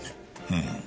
うん。